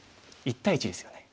１対１ですよね。